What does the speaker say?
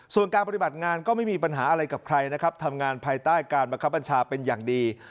ส่วนการปฏิบัติงานก็ไม่มีปัญหาอะไรกับใครนะครับทำงานภายใต้การบังคับบัญชาเป็นอย่างดี